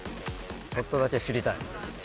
ちょっとだけ知りたい。